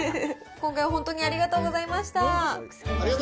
今回、ありがとうございました。